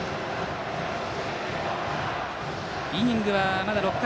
イニングはまだ６回。